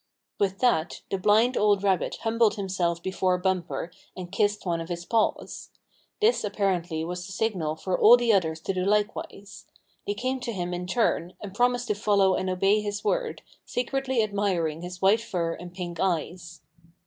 With that the blind, old rabbit humbled himself before Bumper and kissed one of his paws. This apparently was the signal for all the others to do likewise. They came to him in turn, and promised to follow and obey his word, secretly admiring his white fur and pink eyes.